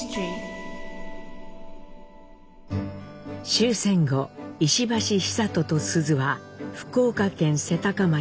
終戦後石橋久渡と須壽は福岡県瀬高町